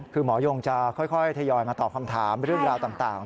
คือหมอยงจะค่อยทยอยมาตอบคำถามเรื่องราวต่าง